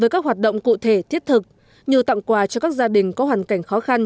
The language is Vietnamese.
với các hoạt động cụ thể thiết thực như tặng quà cho các gia đình có hoàn cảnh khó khăn